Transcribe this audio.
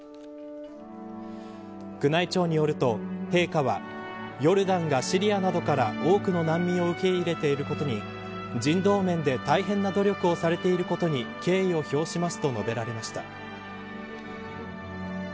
宮内庁によると、陛下はヨルダンがシリアなどから多くの難民を受け入れていることに人道面で大変な努力をされていることに敬意を表しますと述べられました。